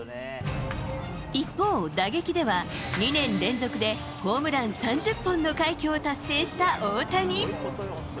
一方、打撃では、２年連続でホームラン３０本の快挙を達成した大谷。